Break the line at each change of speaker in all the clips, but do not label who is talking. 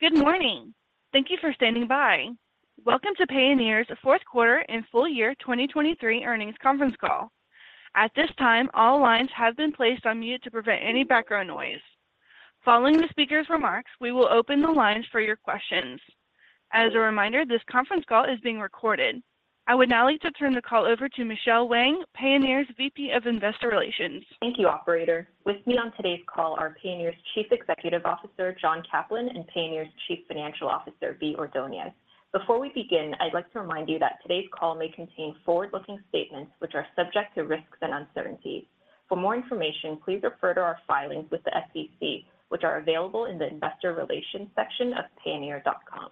Good morning. Thank you for standing by. Welcome to Payoneer's fourth quarter and full year 2023 earnings conference call. At this time, all lines have been placed on mute to prevent any background noise. Following the speaker's remarks, we will open the lines for your questions. As a reminder, this conference call is being recorded. I would now like to turn the call over to Michelle Wang, Payoneer's VP of Investor Relations.
Thank you, operator. With me on today's call are Payoneer's Chief Executive Officer John Caplan and Payoneer's Chief Financial Officer Bea Ordonez. Before we begin, I'd like to remind you that today's call may contain forward-looking statements which are subject to risks and uncertainties. For more information, please refer to our filings with the SEC, which are available in the Investor Relations section of payoneer.com.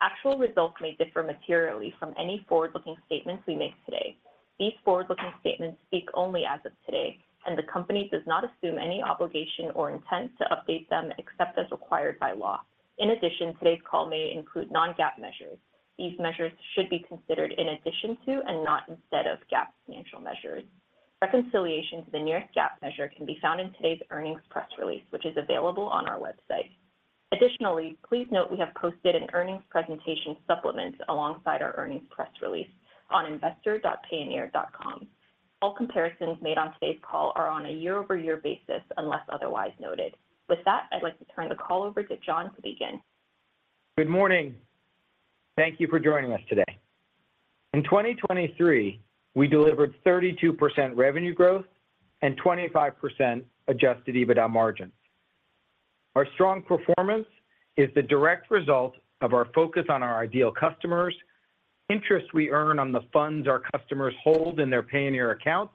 Actual results may differ materially from any forward-looking statements we make today. These forward-looking statements speak only as of today, and the company does not assume any obligation or intent to update them except as required by law. In addition, today's call may include non-GAAP measures. These measures should be considered in addition to and not instead of GAAP financial measures. Reconciliation to the nearest GAAP measure can be found in today's earnings press release, which is available on our website. Additionally, please note we have posted an earnings presentation supplement alongside our earnings press release on investor.payoneer.com. All comparisons made on today's call are on a year-over-year basis unless otherwise noted. With that, I'd like to turn the call over to John to begin.
Good morning. Thank you for joining us today. In 2023, we delivered 32% revenue growth and 25% Adjusted EBITDA margins. Our strong performance is the direct result of our focus on our ideal customers, interest we earn on the funds our customers hold in their Payoneer accounts,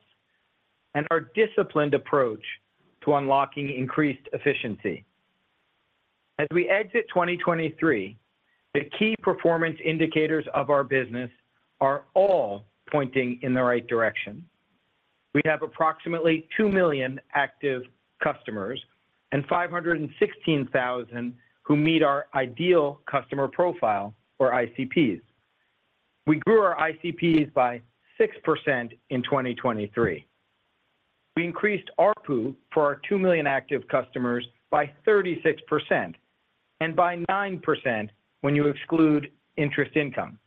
and our disciplined approach to unlocking increased efficiency. As we exit 2023, the key performance indicators of our business are all pointing in the right direction. We have approximately 2 million active customers and 516,000 who meet our ideal customer profile or ICPs. We grew our ICPs by 6% in 2023. We increased ARPU for our 2 million active customers by 36% and by 9% when you exclude interest income.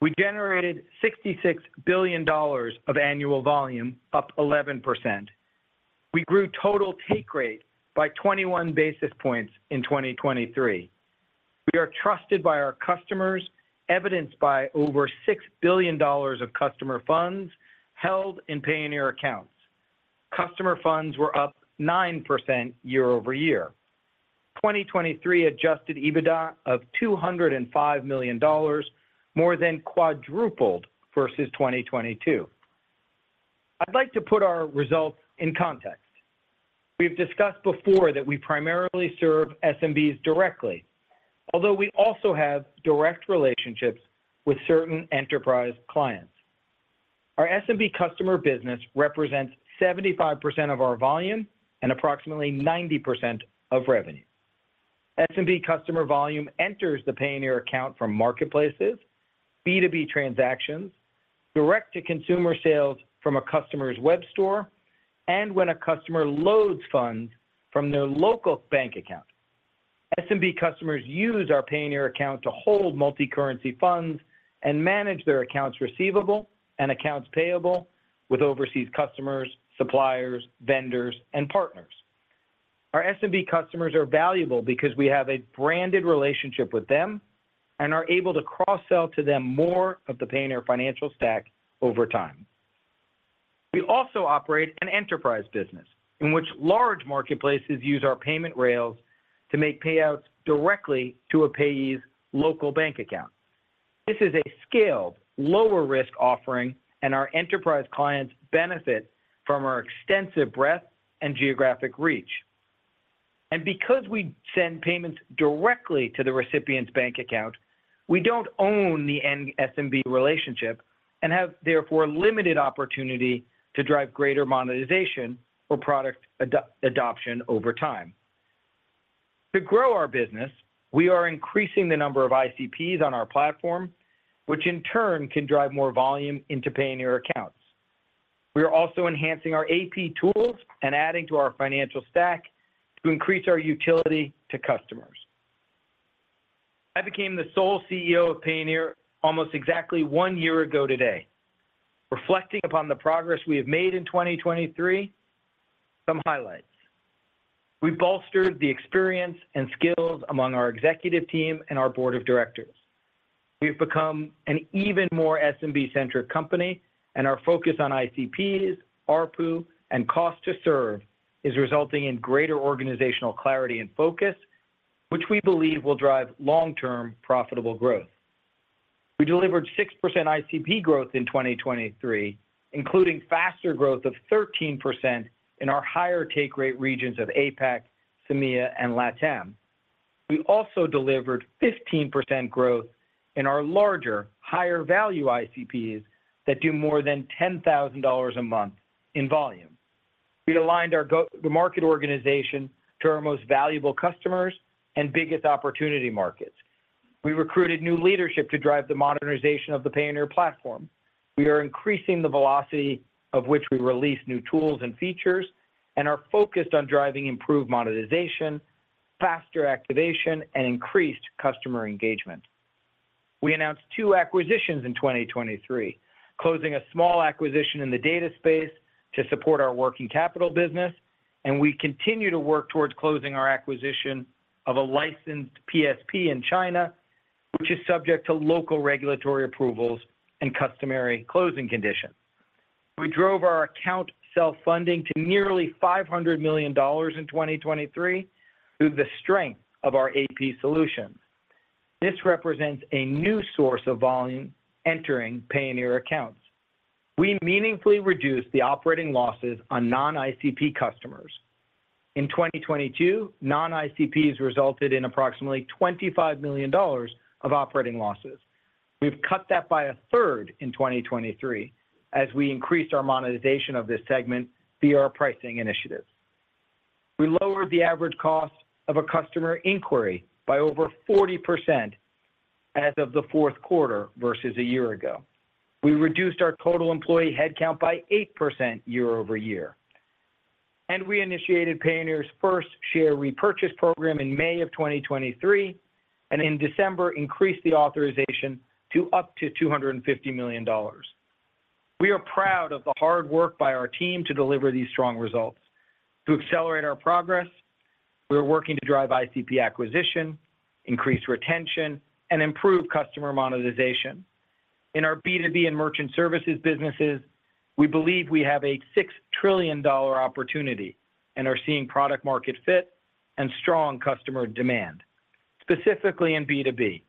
We generated $66 billion of annual volume, up 11%. We grew total take rate by 21 basis points in 2023. We are trusted by our customers, evidenced by over $6 billion of customer funds held in Payoneer accounts. Customer funds were up 9% year-over-year. 2023 Adjusted EBITDA of $205 million, more than quadrupled versus 2022. I'd like to put our results in context. We've discussed before that we primarily serve SMBs directly, although we also have direct relationships with certain enterprise clients. Our SMB customer business represents 75% of our volume and approximately 90% of revenue. SMB customer volume enters the Payoneer account from marketplaces, B2B transactions, direct-to-consumer sales from a customer's web store, and when a customer loads funds from their local bank account. SMB customers use our Payoneer account to hold multicurrency funds and manage their accounts receivable and accounts payable with overseas customers, suppliers, vendors, and partners. Our SMB customers are valuable because we have a branded relationship with them and are able to cross-sell to them more of the Payoneer financial stack over time. We also operate an enterprise business in which large marketplaces use our payment rails to make payouts directly to a payee's local bank account. This is a scaled, lower-risk offering, and our enterprise clients benefit from our extensive breadth and geographic reach. Because we send payments directly to the recipient's bank account, we don't own the end SMB relationship and have, therefore, limited opportunity to drive greater monetization or product adoption over time. To grow our business, we are increasing the number of ICPs on our platform, which in turn can drive more volume into Payoneer accounts. We are also enhancing our AP tools and adding to our financial stack to increase our utility to customers. I became the sole CEO of Payoneer almost exactly one year ago today. Reflecting upon the progress we have made in 2023, some highlights. We bolstered the experience and skills among our executive team and our Board of Directors. We have become an even more SMB-centric company, and our focus on ICPs, ARPU, and cost to serve is resulting in greater organizational clarity and focus, which we believe will drive long-term profitable growth. We delivered 6% ICP growth in 2023, including faster growth of 13% in our higher take rate regions of APAC, SAMEA, and LATAM. We also delivered 15% growth in our larger, higher-value ICPs that do more than $10,000 a month in volume. We aligned our market organization to our most valuable customers and biggest opportunity markets. We recruited new leadership to drive the modernization of the Payoneer platform. We are increasing the velocity of which we release new tools and features and are focused on driving improved monetization, faster activation, and increased customer engagement. We announced 2 acquisitions in 2023, closing a small acquisition in the data space to support our working capital business, and we continue to work towards closing our acquisition of a licensed PSP in China, which is subject to local regulatory approvals and customary closing conditions. We drove our account self-funding to nearly $500 million in 2023 through the strength of our AP solutions. This represents a new source of volume entering Payoneer accounts. We meaningfully reduced the operating losses on non-ICP customers. In 2022, non-ICPs resulted in approximately $25 million of operating losses. We've cut that by 1/3 in 2023 as we increased our monetization of this segment via our pricing initiatives. We lowered the average cost of a customer inquiry by over 40% as of the fourth quarter versus a year ago. We reduced our total employee headcount by 8% year-over-year. We initiated Payoneer's first share repurchase program in May of 2023 and in December increased the authorization to up to $250 million. We are proud of the hard work by our team to deliver these strong results. To accelerate our progress, we are working to drive ICP acquisition, increase retention, and improve customer monetization. In our B2B and merchant services businesses, we believe we have a $6 trillion opportunity and are seeing product-market fit and strong customer demand, specifically in B2B.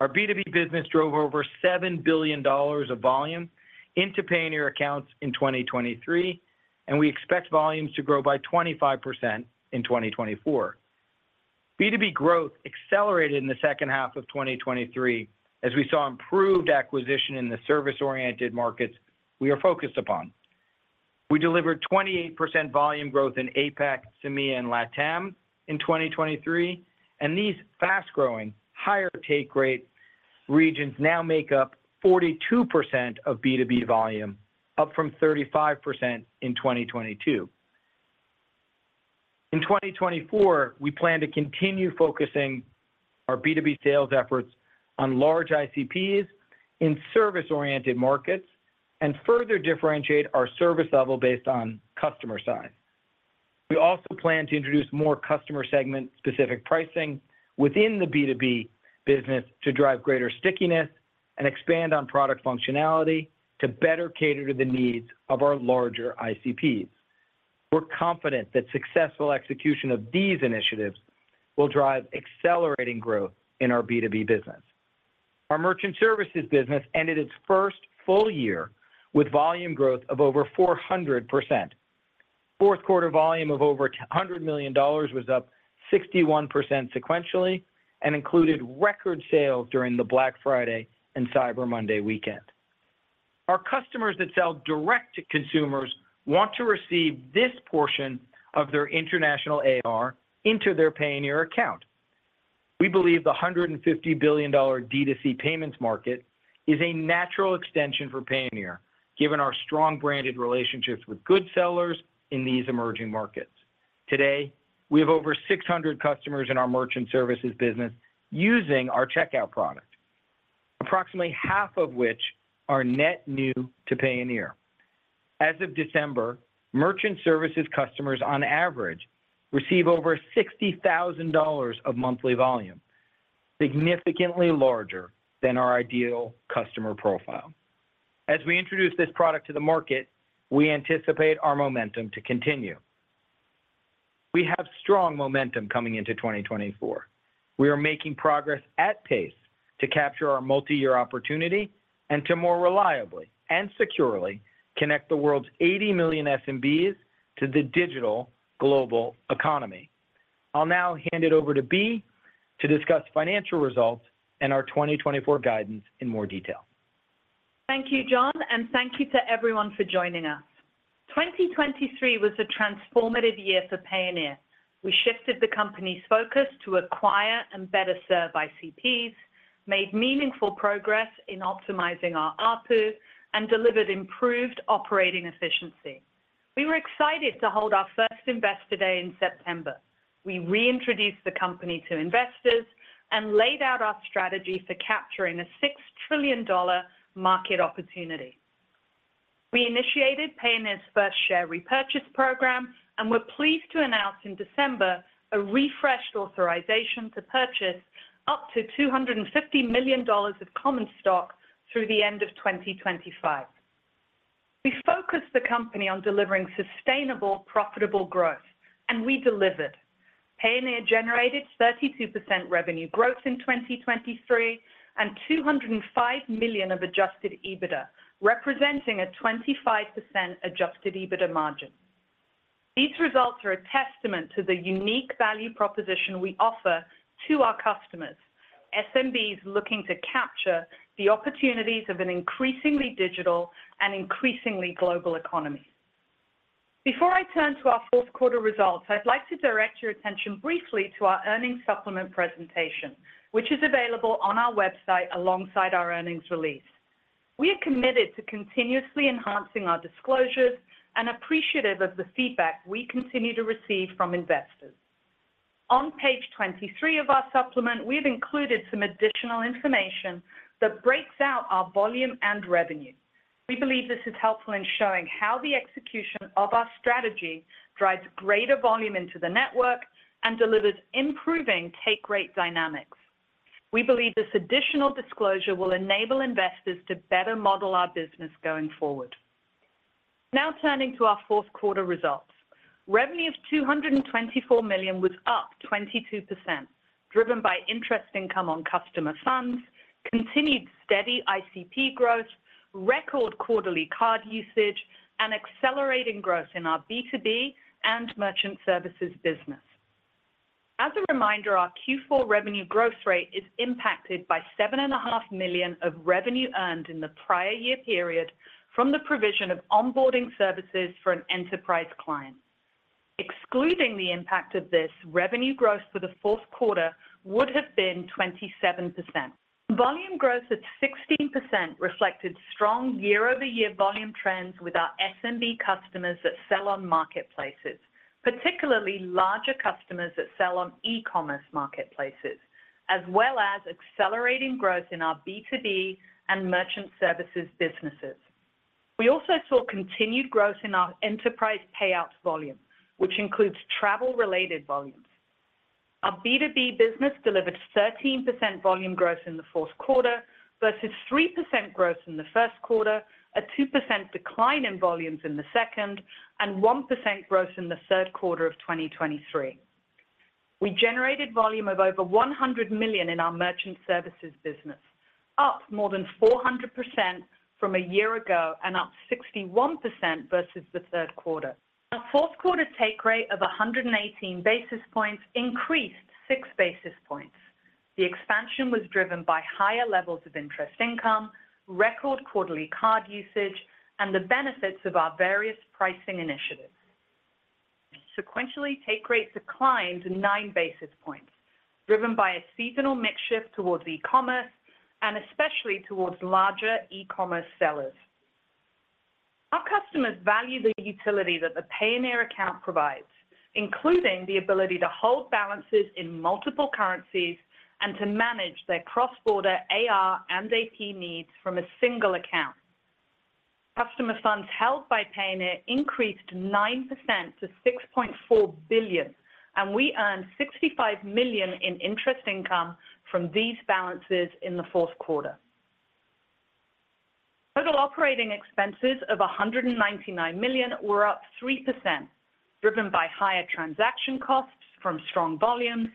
Our B2B business drove over $7 billion of volume into Payoneer accounts in 2023, and we expect volumes to grow by 25% in 2024. B2B growth accelerated in the second half of 2023 as we saw improved acquisition in the service-oriented markets we are focused upon. We delivered 28% volume growth in APAC, SAMEA, and LATAM in 2023, and these fast-growing, higher take rate regions now make up 42% of B2B volume, up from 35% in 2022. In 2024, we plan to continue focusing our B2B sales efforts on large ICPs in service-oriented markets and further differentiate our service level based on customer size. We also plan to introduce more customer segment-specific pricing within the B2B business to drive greater stickiness and expand on product functionality to better cater to the needs of our larger ICPs. We're confident that successful execution of these initiatives will drive accelerating growth in our B2B business. Our merchant services business ended its first full year with volume growth of over 400%. Fourth quarter volume of over $100 million was up 61% sequentially and included record sales during the Black Friday and Cyber Monday weekend. Our customers that sell direct to consumers want to receive this portion of their international AR into their Payoneer account. We believe the $150 billion D2C payments market is a natural extension for Payoneer, given our strong branded relationships with goodsellers in these emerging markets. Today, we have over 600 customers in our merchant services business using our checkout product, approximately half of which are net new to Payoneer. As of December, merchant services customers, on average, receive over $60,000 of monthly volume, significantly larger than our ideal customer profile. As we introduce this product to the market, we anticipate our momentum to continue. We have strong momentum coming into 2024. We are making progress at pace to capture our multi-year opportunity and to more reliably and securely connect the world's 80 million SMBs to the digital global economy. I'll now hand it over to Bea to discuss financial results and our 2024 guidance in more detail.
Thank you, John, and thank you to everyone for joining us. 2023 was a transformative year for Payoneer. We shifted the company's focus to acquire and better serve ICPs, made meaningful progress in optimizing our ARPU, and delivered improved operating efficiency. We were excited to hold our first Investor Day in September. We reintroduced the company to investors and laid out our strategy for capturing a $6 trillion market opportunity. We initiated Payoneer's first share repurchase program and were pleased to announce in December a refreshed authorization to purchase up to $250 million of common stock through the end of 2025. We focused the company on delivering sustainable, profitable growth, and we delivered. Payoneer generated 32% revenue growth in 2023 and $205 million of adjusted EBITDA, representing a 25% adjusted EBITDA margin. These results are a testament to the unique value proposition we offer to our customers, SMBs looking to capture the opportunities of an increasingly digital and increasingly global economy. Before I turn to our fourth quarter results, I'd like to direct your attention briefly to our earnings supplement presentation, which is available on our website alongside our earnings release. We are committed to continuously enhancing our disclosures and appreciative of the feedback we continue to receive from investors. On page 23 of our supplement, we have included some additional information that breaks out our volume and revenue. We believe this is helpful in showing how the execution of our strategy drives greater volume into the network and delivers improving take rate dynamics. We believe this additional disclosure will enable investors to better model our business going forward. Now turning to our fourth quarter results. Revenue of $224 million was up 22%, driven by interest income on customer funds, continued steady ICP growth, record quarterly card usage, and accelerating growth in our B2B and merchant services business. As a reminder, our Q4 revenue growth rate is impacted by $7.5 million of revenue earned in the prior year period from the provision of onboarding services for an enterprise client. Excluding the impact of this, revenue growth for the fourth quarter would have been 27%. Volume growth of 16% reflected strong year-over-year volume trends with our SMB customers that sell on marketplaces, particularly larger customers that sell on e-commerce marketplaces, as well as accelerating growth in our B2B and merchant services businesses. We also saw continued growth in our enterprise payouts volume, which includes travel-related volumes. Our B2B business delivered 13% volume growth in the fourth quarter versus 3% growth in the first quarter, a 2% decline in volumes in the second, and 1% growth in the third quarter of 2023. We generated volume of over $100 million in our merchant services business, up more than 400% from a year ago and up 61% versus the third quarter. Our fourth quarter take rate of 118 basis points increased six basis points. The expansion was driven by higher levels of interest income, record quarterly card usage, and the benefits of our various pricing initiatives. Sequentially, take rate declined nine basis points, driven by a seasonal mix shift towards e-commerce and especially towards larger e-commerce sellers. Our customers value the utility that the Payoneer account provides, including the ability to hold balances in multiple currencies and to manage their cross-border AR and AP needs from a single account. Customer funds held by Payoneer increased 9% to $6.4 billion, and we earned $65 million in interest income from these balances in the fourth quarter. Total operating expenses of $199 million were up 3%, driven by higher transaction costs from strong volumes,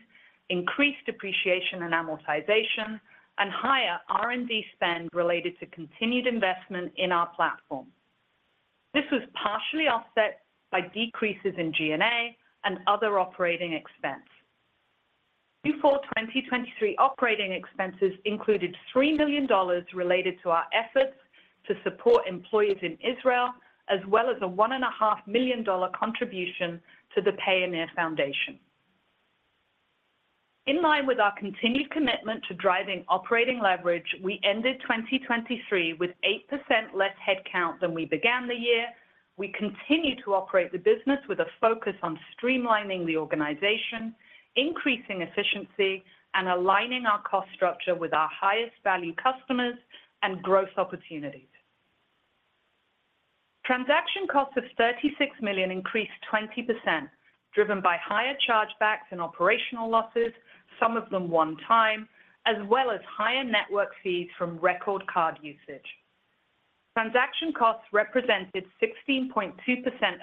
increased depreciation and amortization, and higher R&D spend related to continued investment in our platform. This was partially offset by decreases in G&A and other operating expense. Q4 2023 operating expenses included $3 million related to our efforts to support employees in Israel, as well as a $1.5 million contribution to the Payoneer Foundation. In line with our continued commitment to driving operating leverage, we ended 2023 with 8% less headcount than we began the year. We continue to operate the business with a focus on streamlining the organization, increasing efficiency, and aligning our cost structure with our highest-value customers and growth opportunities. Transaction costs of $36 million increased 20%, driven by higher chargebacks and operational losses, some of them one-time, as well as higher network fees from record card usage. Transaction costs represented 16.2%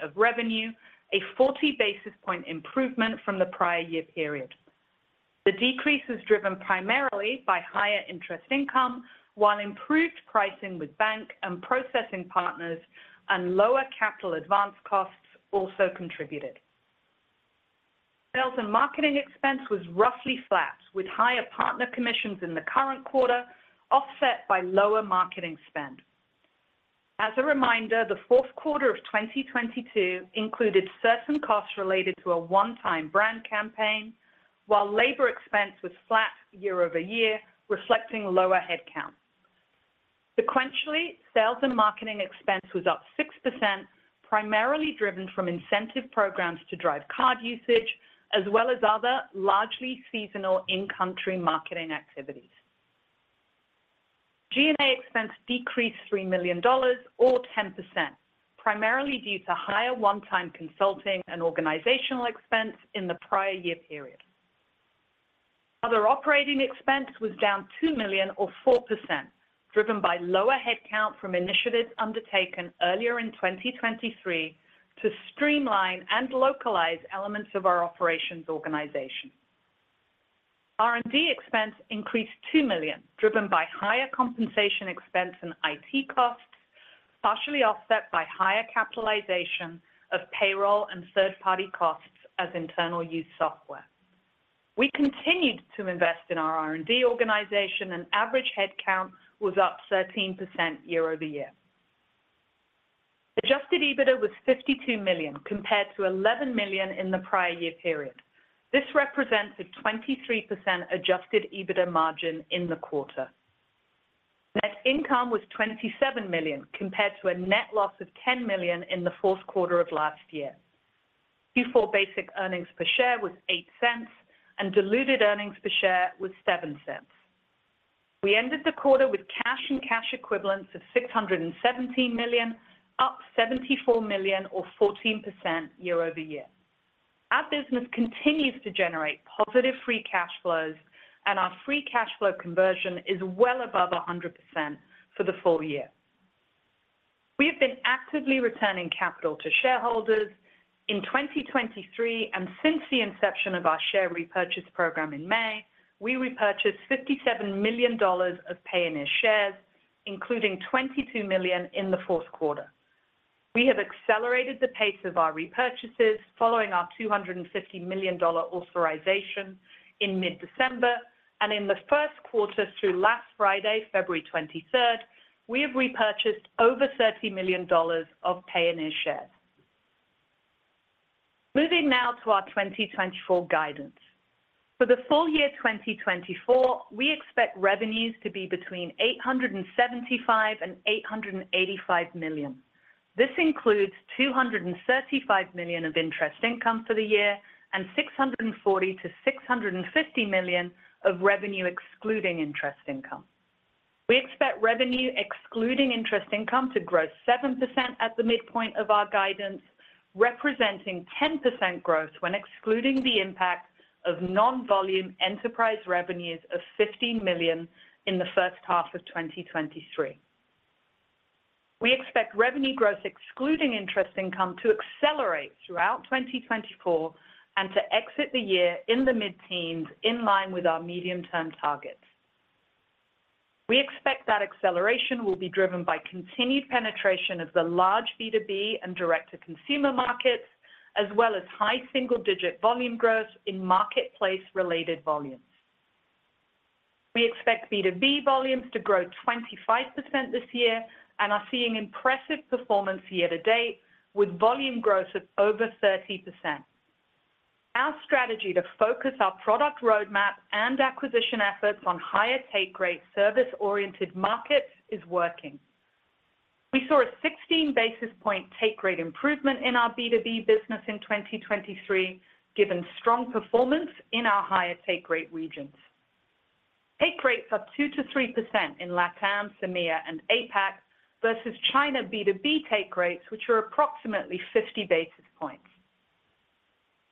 of revenue, a 40 basis point improvement from the prior year period. The decrease was driven primarily by higher interest income, while improved pricing with bank and processing partners and lower capital advance costs also contributed. Sales and marketing expense was roughly flat, with higher partner commissions in the current quarter offset by lower marketing spend. As a reminder, the fourth quarter of 2022 included certain costs related to a one-time brand campaign, while labor expense was flat year-over-year, reflecting lower headcount. Sequentially, sales and marketing expense was up 6%, primarily driven from incentive programs to drive card usage, as well as other largely seasonal in-country marketing activities. G&A expense decreased $3 million, or 10%, primarily due to higher one-time consulting and organizational expense in the prior year period. Other operating expense was down $2 million, or 4%, driven by lower headcount from initiatives undertaken earlier in 2023 to streamline and localize elements of our operations organization. R&D expense increased $2 million, driven by higher compensation expense and IT costs, partially offset by higher capitalization of payroll and third-party costs as internal-use software. We continued to invest in our R&D organization, and average headcount was up 13% year-over-year. Adjusted EBITDA was $52 million, compared to $11 million in the prior year period. This represented 23% adjusted EBITDA margin in the quarter. Net income was $27 million, compared to a net loss of $10 million in the fourth quarter of last year. Q4 basic earnings per share was $0.08, and diluted earnings per share was $0.07. We ended the quarter with cash and cash equivalents of $617 million, up $74 million, or 14% year-over-year. Our business continues to generate positive free cash flows, and our free cash flow conversion is well above 100% for the full year. We have been actively returning capital to shareholders. In 2023 and since the inception of our share repurchase program in May, we repurchased $57 million of Payoneer shares, including $22 million in the fourth quarter. We have accelerated the pace of our repurchases following our $250 million authorization in mid-December, and in the first quarter through last Friday, February 23rd, we have repurchased over $30 million of Payoneer shares. Moving now to our 2024 guidance. For the full year 2024, we expect revenues to be between $875 million and $885 million. This includes $235 million of interest income for the year and $640 million-$650 million of revenue excluding interest income. We expect revenue excluding interest income to grow 7% at the midpoint of our guidance, representing 10% growth when excluding the impact of non-volume enterprise revenues of $50 million in the first half of 2023. We expect revenue growth excluding interest income to accelerate throughout 2024 and to exit the year in the mid-teens in line with our medium-term targets. We expect that acceleration will be driven by continued penetration of the large B2B and direct-to-consumer markets, as well as high single-digit volume growth in marketplace-related volumes. We expect B2B volumes to grow 25% this year and are seeing impressive performance year to date with volume growth of over 30%. Our strategy to focus our product roadmap and acquisition efforts on higher take rate service-oriented markets is working. We saw a 16-basis point take rate improvement in our B2B business in 2023, given strong performance in our higher take rate regions. Take rates are 2%-3% in LATAM, SAMEA, and APAC versus China B2B take rates, which are approximately 50 basis points.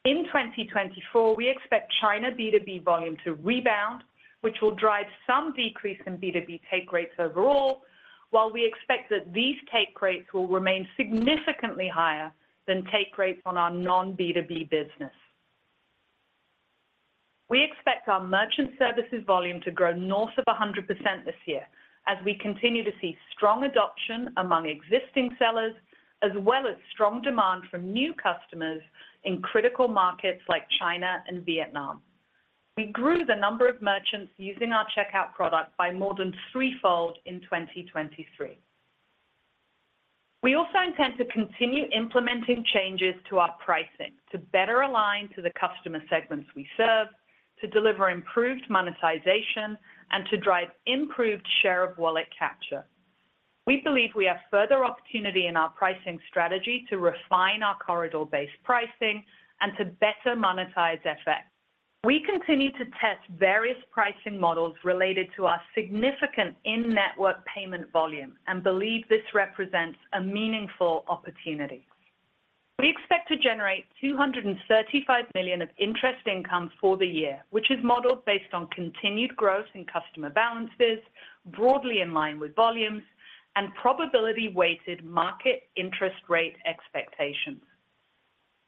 In 2024, we expect China B2B volume to rebound, which will drive some decrease in B2B take rates overall, while we expect that these take rates will remain significantly higher than take rates on our non-B2B business. We expect our merchant services volume to grow north of 100% this year as we continue to see strong adoption among existing sellers, as well as strong demand from new customers in critical markets like China and Vietnam. We grew the number of merchants using our checkout product by more than threefold in 2023. We also intend to continue implementing changes to our pricing to better align to the customer segments we serve, to deliver improved monetization, and to drive improved share of wallet capture. We believe we have further opportunity in our pricing strategy to refine our corridor-based pricing and to better monetize FX. We continue to test various pricing models related to our significant in-network payment volume and believe this represents a meaningful opportunity. We expect to generate $235 million of interest income for the year, which is modeled based on continued growth in customer balances broadly in line with volumes and probability-weighted market interest rate expectations.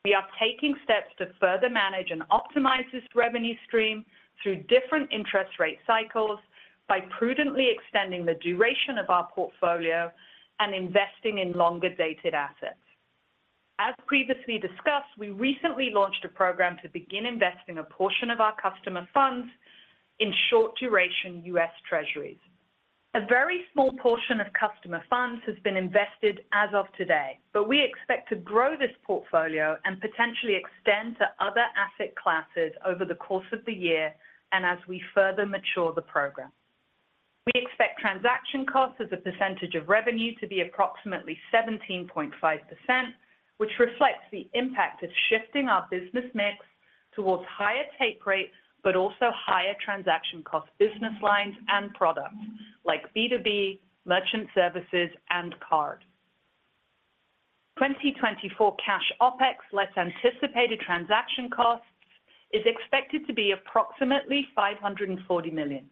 We are taking steps to further manage and optimize this revenue stream through different interest rate cycles by prudently extending the duration of our portfolio and investing in longer-dated assets. As previously discussed, we recently launched a program to begin investing a portion of our customer funds in short-duration U.S. Treasuries. A very small portion of customer funds has been invested as of today, but we expect to grow this portfolio and potentially extend to other asset classes over the course of the year and as we further mature the program. We expect transaction costs as a percentage of revenue to be approximately 17.5%, which reflects the impact of shifting our business mix towards higher take rates but also higher transaction cost business lines and products like B2B, merchant services, and card. 2024 Cash OpEx less anticipated transaction costs is expected to be approximately $540 million,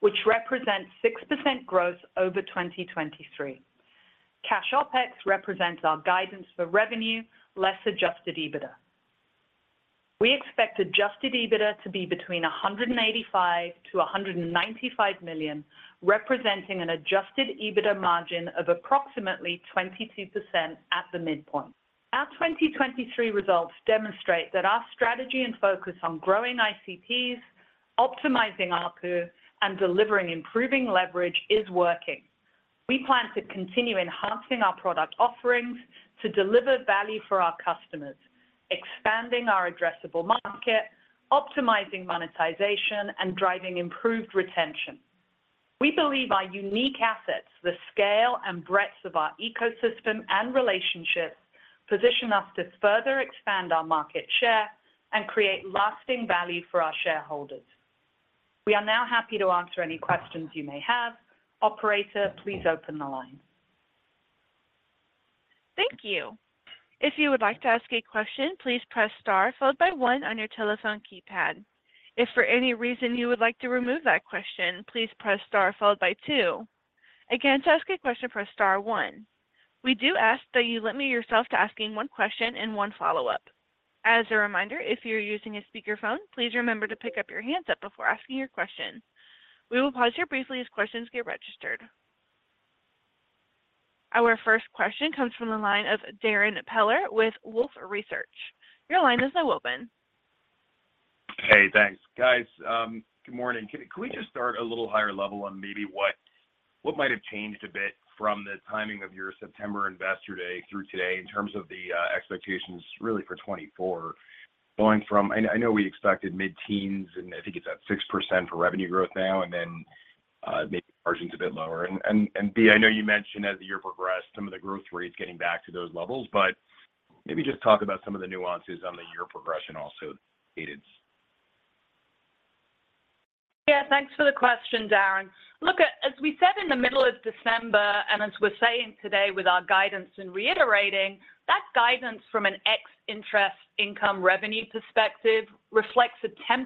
which represents 6% growth over 2023. Cash OpEx represents our guidance for revenue less adjusted EBITDA. We expect Adjusted EBITDA to be between $185 million-$195 million, representing an Adjusted EBITDA margin of approximately 22% at the midpoint. Our 2023 results demonstrate that our strategy and focus on growing ICPs, optimizing ARPU, and delivering improving leverage is working. We plan to continue enhancing our product offerings to deliver value for our customers, expanding our addressable market, optimizing monetization, and driving improved retention. We believe our unique assets, the scale and breadth of our ecosystem and relationships, position us to further expand our market share and create lasting value for our shareholders. We are now happy to answer any questions you may have. Operator, please open the line.
Thank you. If you would like to ask a question, please press star followed by one on your telephone keypad. If for any reason you would like to remove that question, please press star followed by two. Again, to ask a question, press star one. We do ask that you limit yourself to asking one question and one follow-up. As a reminder, if you're using a speakerphone, please remember to pick up your hands up before asking your question. We will pause here briefly as questions get registered. Our first question comes from the line of Darrin Peller with Wolfe Research. Your line is now open.
Hey, thanks. Guys, good morning. Can we just start a little higher level on maybe what might have changed a bit from the timing of your September Investor Day through today in terms of the expectations really for 2024, going from I know we expected mid-teens, and I think it's at 6% for revenue growth now, and then maybe margins a bit lower. And, Bea, I know you mentioned as the year progressed, some of the growth rates getting back to those levels, but maybe just talk about some of the nuances on the year progression also dated.
Yeah, thanks for the question, Darrin. Look, as we said in the middle of December and as we're saying today with our guidance and reiterating, that guidance from an ex-interest income revenue perspective reflects a 10%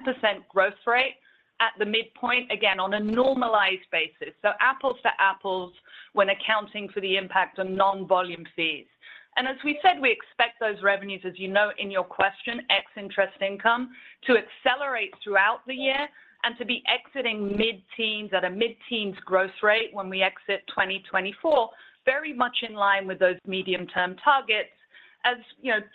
growth rate at the midpoint, again, on a normalized basis. So apples to apples when accounting for the impact on non-volume fees. And as we said, we expect those revenues, as you know in your question, ex-interest income, to accelerate throughout the year and to be exiting mid-teens at a mid-teens growth rate when we exit 2024, very much in line with those medium-term targets. As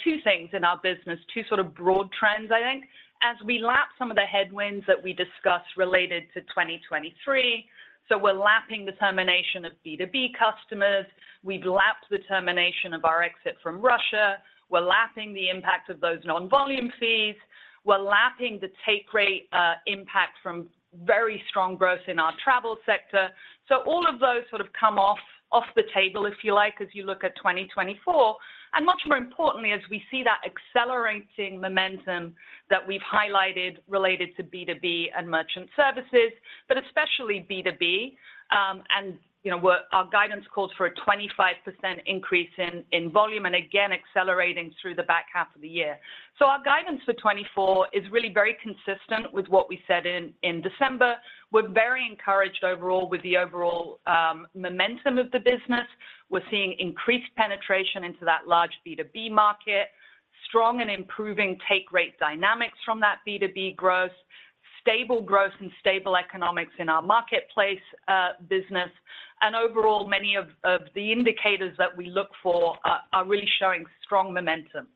two things in our business, two sort of broad trends, I think, as we lap some of the headwinds that we discussed related to 2023. So we're lapping the termination of B2B customers. We've lapped the termination of our exit from Russia. We're lapping the impact of those non-volume fees. We're lapping the take rate impact from very strong growth in our travel sector. So all of those sort of come off the table, if you like, as you look at 2024. And much more importantly, as we see that accelerating momentum that we've highlighted related to B2B and merchant services, but especially B2B, and our guidance calls for a 25% increase in volume and, again, accelerating through the back half of the year. So our guidance for 2024 is really very consistent with what we said in December. We're very encouraged overall with the overall momentum of the business. We're seeing increased penetration into that large B2B market, strong and improving take rate dynamics from that B2B growth, stable growth and stable economics in our marketplace business, and overall, many of the indicators that we look for are really showing strong momentum.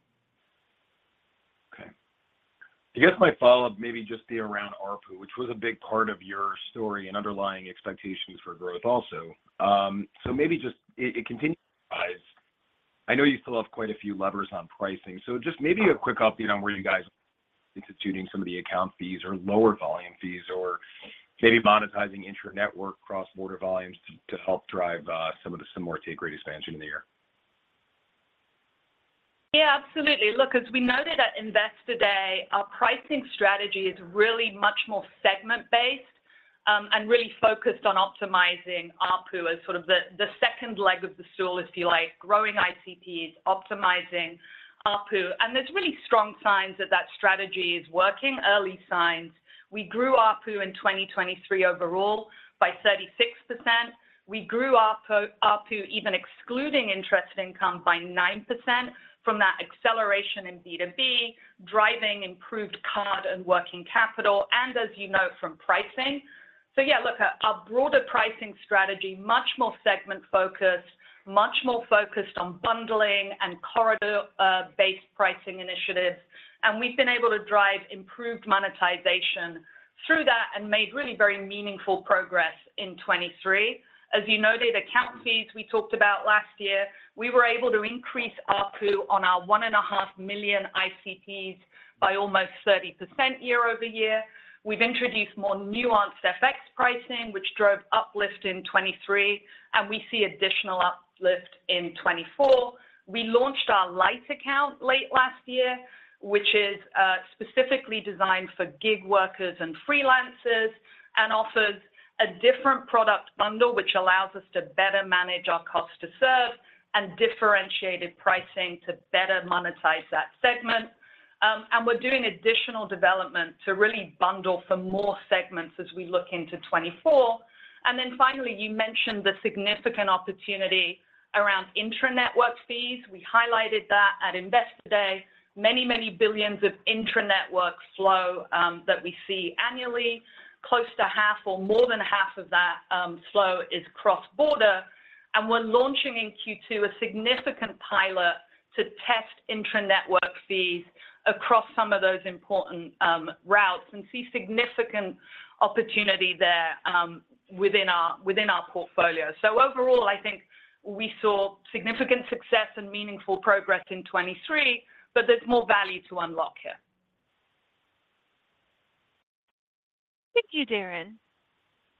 Okay. I guess my follow-up maybe just be around ARPU, which was a big part of your story and underlying expectations for growth also. So maybe just it continues to rise. I know you still have quite a few levers on pricing. So just maybe a quick update on where you guys are instituting some of the account fees or lower volume fees or maybe monetizing intra-network cross-border volumes to help drive some of the similar take rate expansion in the year.
Yeah, absolutely. Look, as we noted at Investor Day, our pricing strategy is really much more segment-based and really focused on optimizing ARPU as sort of the second leg of the stool, if you like, growing ICPs, optimizing ARPU. There's really strong signs that that strategy is working, early signs. We grew ARPU in 2023 overall by 36%. We grew ARPU even excluding interest income by 9% from that acceleration in B2B, driving improved card and working capital, and as you know from pricing. So yeah, look, our broader pricing strategy, much more segment-focused, much more focused on bundling and corridor-based pricing initiatives. We've been able to drive improved monetization through that and made really very meaningful progress in 2023. As you noted, account fees we talked about last year. We were able to increase ARPU on our 1.5 million ICPs by almost 30% year-over-year. We've introduced more nuanced FX pricing, which drove uplift in 2023, and we see additional uplift in 2024. We launched our Lite account late last year, which is specifically designed for gig workers and freelancers and offers a different product bundle, which allows us to better manage our cost to serve and differentiated pricing to better monetize that segment. We're doing additional development to really bundle for more segments as we look into 2024. Then finally, you mentioned the significant opportunity around intranetwork fees. We highlighted that at Investor Day. Many, many billions of intranetwork flow that we see annually. Close to half or more than half of that flow is cross-border. And we're launching in Q2 a significant pilot to test intranetwork fees across some of those important routes and see significant opportunity there within our portfolio. So overall, I think we saw significant success and meaningful progress in 2023, but there's more value to unlock here.
Thank you, Darrin.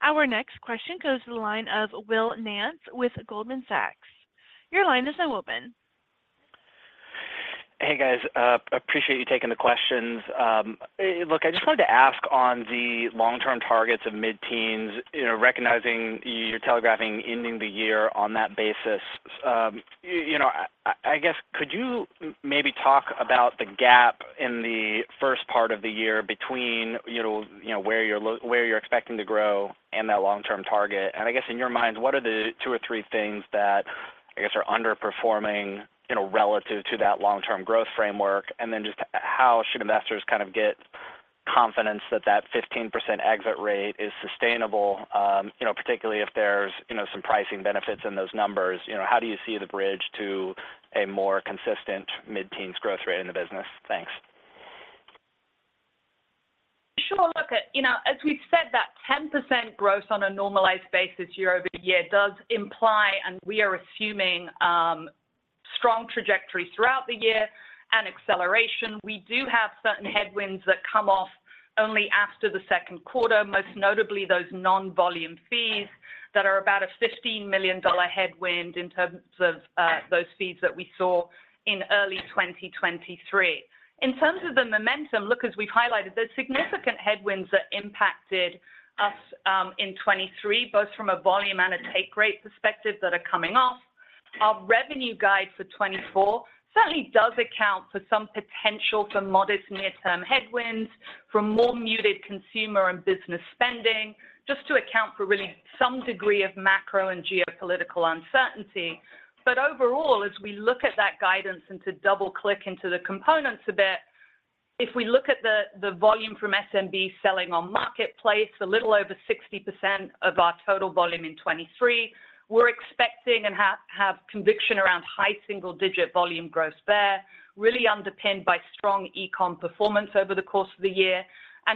Our next question goes to the line of Will Nance with Goldman Sachs. Your line is now open.
Hey, guys. Appreciate you taking the questions. Look, I just wanted to ask on the long-term targets of mid-teens, recognizing you're telegraphing ending the year on that basis, I guess, could you maybe talk about the gap in the first part of the year between where you're expecting to grow and that long-term target? And I guess in your minds, what are the two or three things that, I guess, are underperforming relative to that long-term growth framework? And then just how should investors kind of get confidence that that 15% exit rate is sustainable, particularly if there's some pricing benefits in those numbers? How do you see the bridge to a more consistent mid-teens growth rate in the business? Thanks.
Sure. Look, as we've said, that 10% growth on a normalized basis year-over-year does imply, and we are assuming, strong trajectory throughout the year and acceleration. We do have certain headwinds that come off only after the second quarter, most notably those non-volume fees that are about a $15 million headwind in terms of those fees that we saw in early 2023. In terms of the momentum, look, as we've highlighted, there's significant headwinds that impacted us in 2023 both from a volume and a take rate perspective that are coming off. Our revenue guide for 2024 certainly does account for some potential for modest near-term headwinds from more muted consumer and business spending just to account for really some degree of macro and geopolitical uncertainty. But overall, as we look at that guidance and to double-click into the components a bit, if we look at the volume from SMB selling on marketplace, a little over 60% of our total volume in 2023, we're expecting and have conviction around high single-digit volume growth there, really underpinned by strong e-com performance over the course of the year.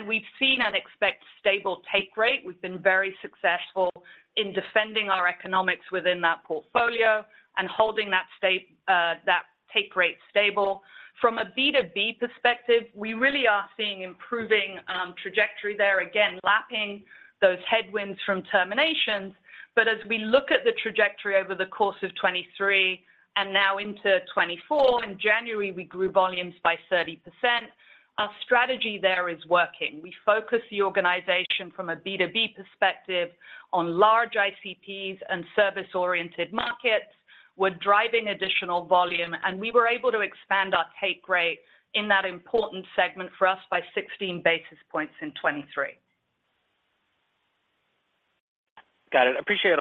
We've seen and expect stable take rate. We've been very successful in defending our economics within that portfolio and holding that take rate stable. From a B2B perspective, we really are seeing improving trajectory there, again, lapping those headwinds from terminations. As we look at the trajectory over the course of 2023 and now into 2024, in January, we grew volumes by 30%. Our strategy there is working. We focus the organization from a B2B perspective on large ICPs and service-oriented markets. We're driving additional volume, and we were able to expand our take rate in that important segment for us by 16 basis points in 2023.
Got it. Appreciate it.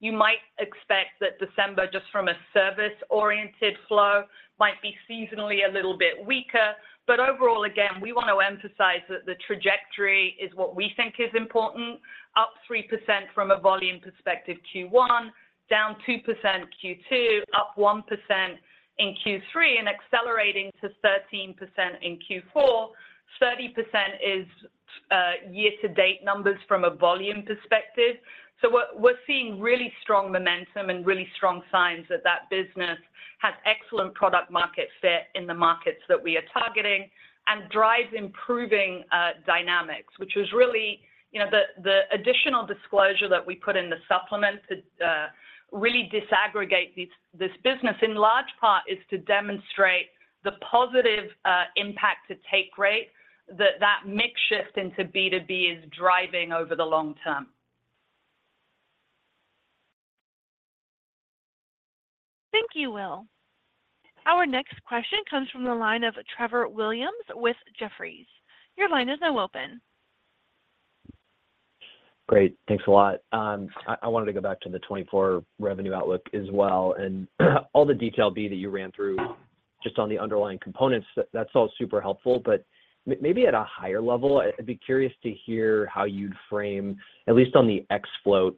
You might expect that December just from a service-oriented flow might be seasonally a little bit weaker. But overall, again, we want to emphasize that the trajectory is what we think is important, up 3% from a volume perspective Q1, down 2% Q2, up 1% in Q3, and accelerating to 13% in Q4. 30% is year-to-date numbers from a volume perspective. So we're seeing really strong momentum and really strong signs that that business has excellent product-market fit in the markets that we are targeting and drives improving dynamics, which was really the additional disclosure that we put in the supplement to really disaggregate this business in large part is to demonstrate the positive impact to take rate that that mix shift into B2B is driving over the long term.
Thank you, Will. Our next question comes from the line of Trevor Williams with Jefferies. Your line is now open.
Great. Thanks a lot. I wanted to go back to the 2024 revenue outlook as well. And all the detail, Bea, that you ran through just on the underlying components, that's all super helpful. But maybe at a higher level, I'd be curious to hear how you'd frame, at least on the ex-float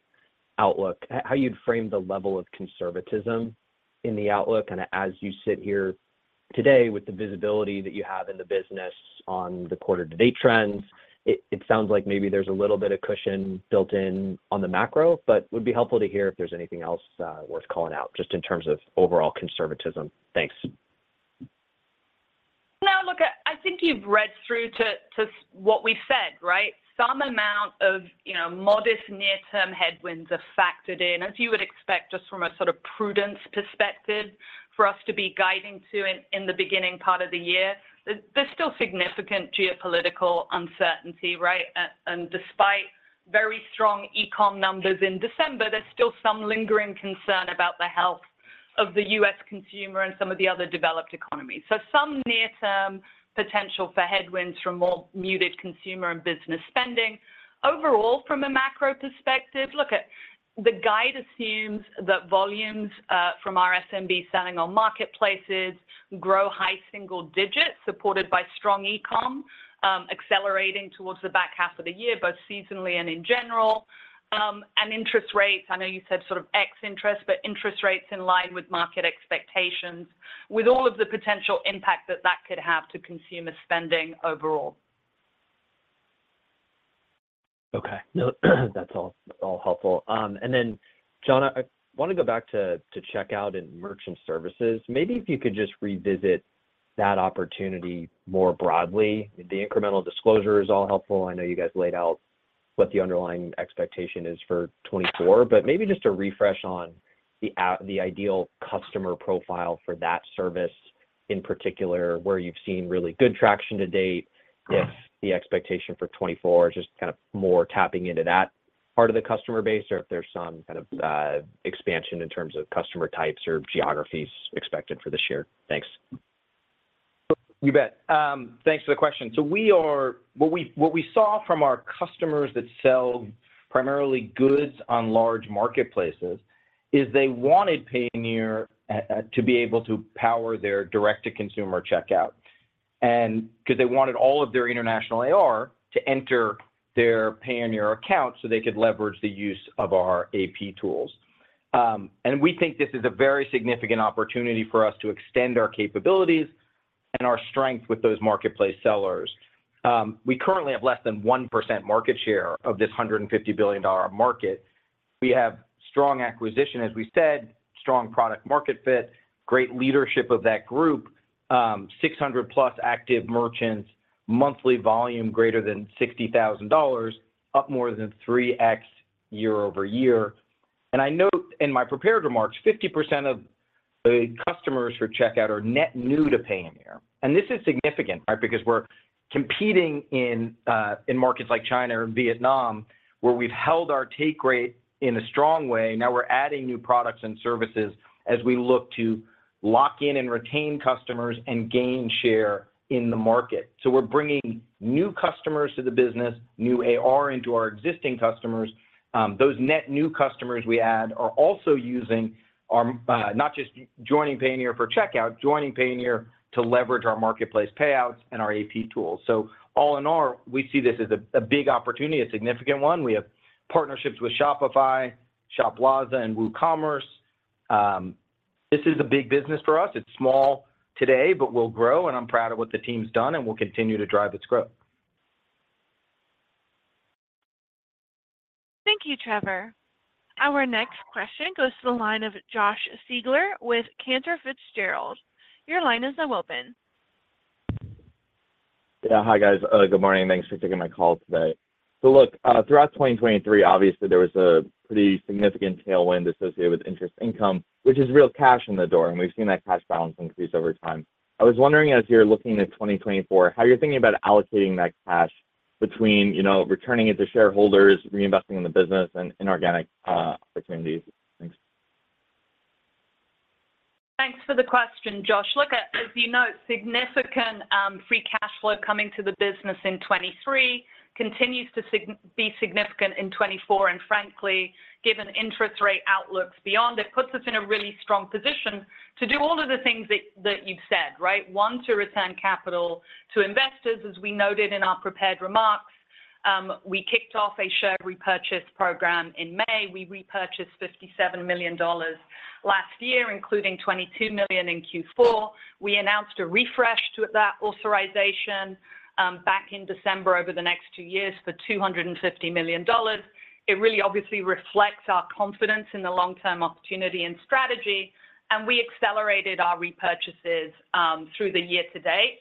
outlook, how you'd frame the level of conservatism in the outlook kind of as you sit here today with the visibility that you have in the business on the quarter-to-date trends. It sounds like maybe there's a little bit of cushion built in on the macro, but would be helpful to hear if there's anything else worth calling out just in terms of overall conservatism. Thanks.
Now, look, I think you've read through to what we've said, right? Some amount of modest near-term headwinds are factored in, as you would expect just from a sort of prudence perspective for us to be guiding to in the beginning part of the year. There's still significant geopolitical uncertainty, right? Despite very strong e-com numbers in December, there's still some lingering concern about the health of the U.S. consumer and some of the other developed economies. So some near-term potential for headwinds from more muted consumer and business spending. Overall, from a macro perspective, look, the guide assumes that volumes from our SMB selling on marketplaces grow high single digits supported by strong e-com accelerating towards the back half of the year both seasonally and in general. And interest rates, I know you said sort of ex-interest, but interest rates in line with market expectations with all of the potential impact that that could have to consumer spending overall.
Okay. That's all helpful. And then, John, I want to go back to checkout and merchant services. Maybe if you could just revisit that opportunity more broadly. The incremental disclosure is all helpful. I know you guys laid out what the underlying expectation is for 2024. But maybe just a refresh on the ideal customer profile for that service in particular, where you've seen really good traction to date, if the expectation for 2024 is just kind of more tapping into that part of the customer base or if there's some kind of expansion in terms of customer types or geographies expected for this year? Thanks.
You bet. Thanks for the question. So what we saw from our customers that sell primarily goods on large marketplaces is they wanted Payoneer to be able to power their direct-to-consumer checkout because they wanted all of their international AR to enter their Payoneer account so they could leverage the use of our AP tools. We think this is a very significant opportunity for us to extend our capabilities and our strength with those marketplace sellers. We currently have less than 1% market share of this $150 billion market. We have strong acquisition, as we said, strong product-market fit, great leadership of that group, 600+ active merchants, monthly volume greater than $60,000, up more than 3x year-over-year. I note in my prepared remarks, 50% of the customers for checkout are net new to Payoneer. And this is significant, right, because we're competing in markets like China and Vietnam where we've held our take rate in a strong way. Now, we're adding new products and services as we look to lock in and retain customers and gain share in the market. So we're bringing new customers to the business, new AR into our existing customers. Those net new customers we add are also using not just joining Payoneer for checkout, joining Payoneer to leverage our marketplace payouts and our AP tools. So all in all, we see this as a big opportunity, a significant one. We have partnerships with Shopify, Shoplazza, and WooCommerce. This is a big business for us. It's small today, but we'll grow. And I'm proud of what the team's done, and we'll continue to drive its growth.
Thank you, Trevor. Our next question goes to the line of Josh Siegler with Cantor Fitzgerald. Your line is now open.
Yeah. Hi, guys. Good morning. Thanks for taking my call today. So look, throughout 2023, obviously, there was a pretty significant tailwind associated with interest income, which is real cash in the door. And we've seen that cash balance increase over time. I was wondering, as you're looking at 2024, how you're thinking about allocating that cash between returning it to shareholders, reinvesting in the business, and inorganic opportunities. Thanks.
Thanks for the question, Josh. Look, as you note, significant free cash flow coming to the business in 2023 continues to be significant in 2024. Frankly, given interest rate outlooks beyond, it puts us in a really strong position to do all of the things that you've said, right? One, to return capital to investors, as we noted in our prepared remarks. We kicked off a share repurchase program in May. We repurchased $57 million last year, including $22 million in Q4. We announced a refresh to that authorization back in December over the next two years for $250 million. It really obviously reflects our confidence in the long-term opportunity and strategy. We accelerated our repurchases through the year to date.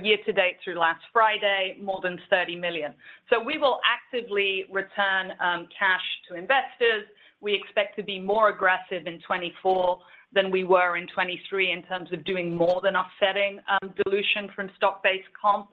Year to date through last Friday, more than $30 million. We will actively return cash to investors. We expect to be more aggressive in 2024 than we were in 2023 in terms of doing more than offsetting dilution from stock-based comp.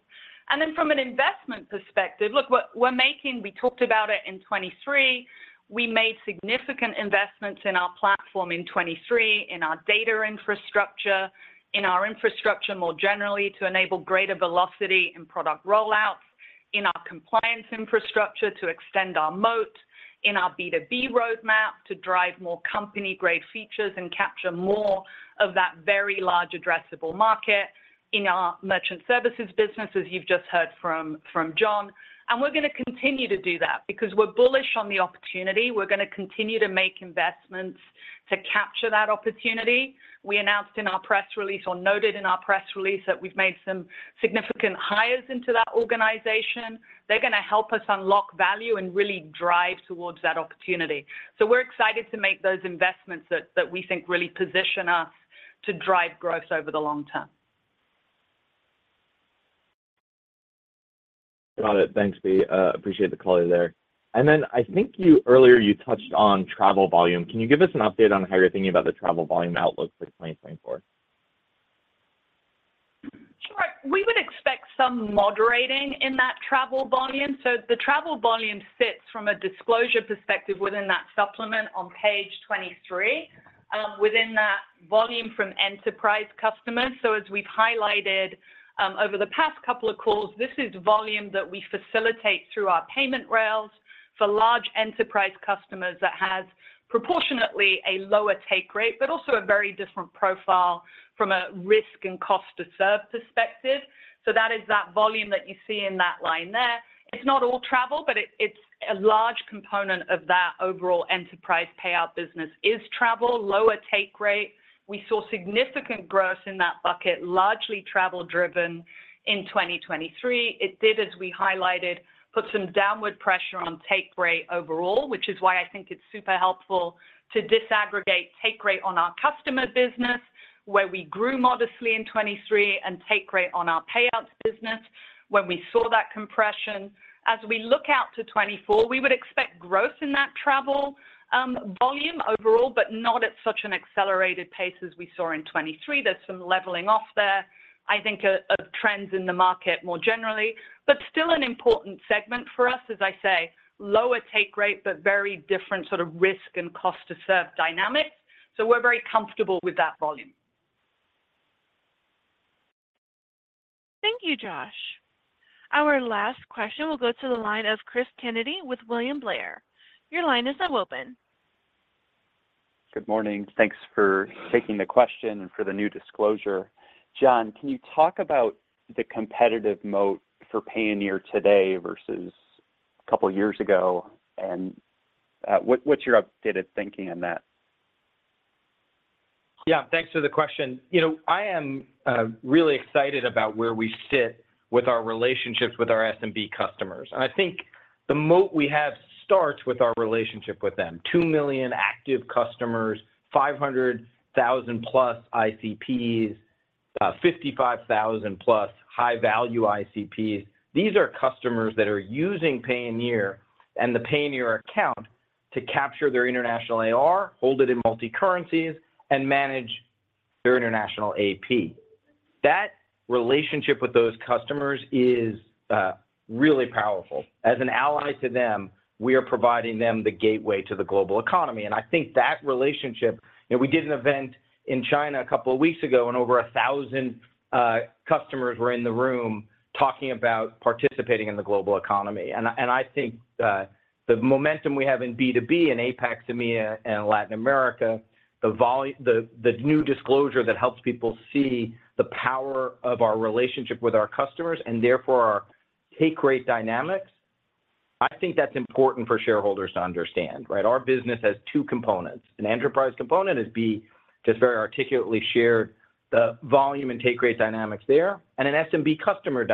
And then from an investment perspective, look, we talked about it in 2023. We made significant investments in our platform in 2023, in our data infrastructure, in our infrastructure more generally to enable greater velocity in product rollouts, in our compliance infrastructure to extend our moat, in our B2B roadmap to drive more company-grade features and capture more of that very large addressable market in our merchant services business, as you've just heard from John. And we're going to continue to do that because we're bullish on the opportunity. We're going to continue to make investments to capture that opportunity. We announced in our press release or noted in our press release that we've made some significant hires into that organization. They're going to help us unlock value and really drive towards that opportunity. So we're excited to make those investments that we think really position us to drive growth over the long term.
Got it. Thanks, Bea. Appreciate the clarity there. And then I think earlier you touched on travel volume. Can you give us an update on how you're thinking about the travel volume outlook for 2024?
Sure. We would expect some moderating in that travel volume. So the travel volume sits from a disclosure perspective within that supplement on page 23, within that volume from enterprise customers. So as we've highlighted over the past couple of calls, this is volume that we facilitate through our payment rails for large enterprise customers that has proportionately a lower take rate but also a very different profile from a risk and cost-to-serve perspective. So that is that volume that you see in that line there. It's not all travel, but it's a large component of that overall enterprise payout business is travel, lower take rate. We saw significant growth in that bucket, largely travel-driven in 2023. It did, as we highlighted, put some downward pressure on take rate overall, which is why I think it's super helpful to disaggregate take rate on our customer business where we grew modestly in 2023 and take rate on our payouts business when we saw that compression. As we look out to 2024, we would expect growth in that travel volume overall but not at such an accelerated pace as we saw in 2023. There's some leveling off there, I think, of trends in the market more generally. But still an important segment for us, as I say, lower take rate but very different sort of risk and cost-to-serve dynamics. So we're very comfortable with that volume.
Thank you, Josh. Our last question will go to the line of Chris Kennedy with William Blair. Your line is now open.
Good morning. Thanks for taking the question and for the new disclosure. John, can you talk about the competitive moat for Payoneer today versus a couple of years ago? And what's your update of thinking on that?
Yeah. Thanks for the question. I am really excited about where we sit with our SMB customers. And I think the moat we have starts with our relationship with them, 2 million active customers, 500,000+ ICPs, 55,000+ high-value ICPs. These are customers that are using Payoneer and the Payoneer account to capture their international AR, hold it in multi-currencies, and manage their international AP. That relationship with those customers is really powerful. As an ally to them, we are providing them the gateway to the global economy. And I think that relationship. We did an event in China a couple of weeks ago, and over 1,000 customers were in the room talking about participating in the global economy. And I think the momentum we have in B2B and APAC and MEA and Latin America, the new disclosure that helps people see the power of our relationship with our customers and therefore our take rate dynamics, I think that's important for shareholders to understand, right? Our business has two components. An enterprise component is, Bea, just very articulately shared the volume and take rate dynamics there, and an SMB customer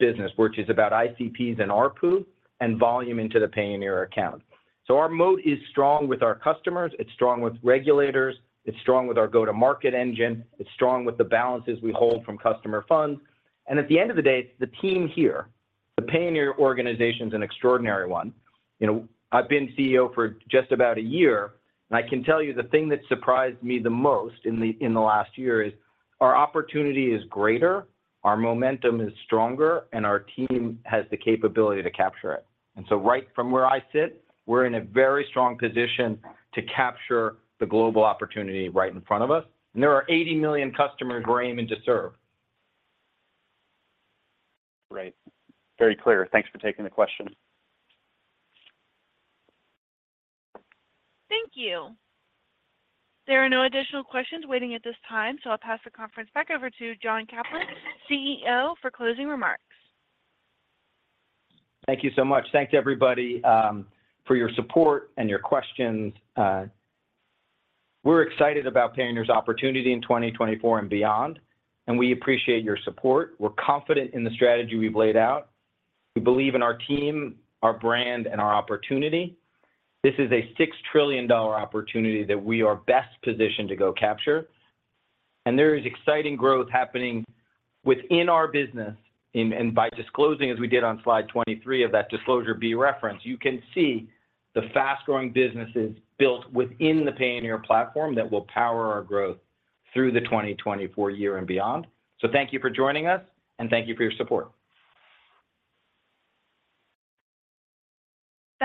business, which is about ICPs and ARPU and volume into the Payoneer account. So our moat is strong with our customers. It's strong with regulators. It's strong with our go-to-market engine. It's strong with the balances we hold from customer funds. And at the end of the day, it's the team here. The Payoneer organization's an extraordinary one. I've been CEO for just about a year. And I can tell you the thing that surprised me the most in the last year is our opportunity is greater, our momentum is stronger, and our team has the capability to capture it. And so right from where I sit, we're in a very strong position to capture the global opportunity right in front of us. There are 80 million customers we're aiming to serve.
Great. Very clear. Thanks for taking the question.
Thank you. There are no additional questions waiting at this time. I'll pass the conference back over to John Caplan, CEO, for closing remarks.
Thank you so much. Thank you, everybody, for your support and your questions. We're excited about Payoneer's opportunity in 2024 and beyond. We appreciate your support. We're confident in the strategy we've laid out. We believe in our team, our brand, and our opportunity. This is a $6 trillion opportunity that we are best positioned to go capture. There is exciting growth happening within our business. By disclosing, as we did on slide 23 of that disclosure B reference, you can see the fast-growing businesses built within the Payoneer platform that will power our growth through the 2024 year and beyond. Thank you for joining us, and thank you for your support.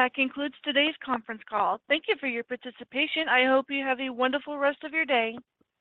That concludes today's conference call. Thank you for your participation. I hope you have a wonderful rest of your day.